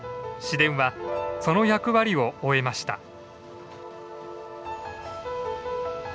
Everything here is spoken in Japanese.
市電はその役割を終えました。